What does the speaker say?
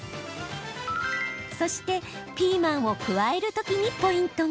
そして、ピーマンを加えるときにポイントが。